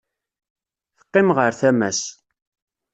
Teqqim ɣer tama-s.